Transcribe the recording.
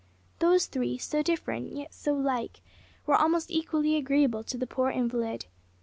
Those three, so different yet so like, were almost equally agreeable to the poor invalid.